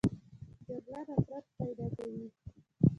جګړه نفرت پیدا کوي